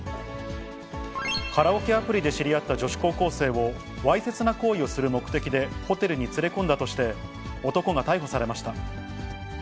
カラオケアプリで知り合った女子高校生を、わいせつな行為をする目的でホテルに連れ込んだとして、男が逮捕されました。